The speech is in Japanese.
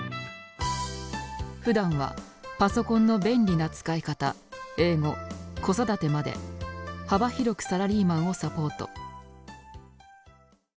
ふだんはパソコンの便利な使い方英語子育てまで幅広くサラリーマンをサポート。